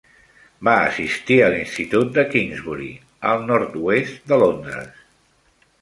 Va assistir a l'institut de Kingsbury al nord-oest de Londres.